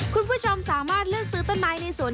คุณผู้ชมสามารถเลือกซื้อต้นไม้ในสวน